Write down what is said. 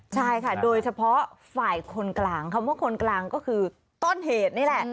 ใช่ค่ะโดยเฉพาะฝ่ายคนกลางคำว่าคนกลางก็คือต้นเหตุนี่แหละ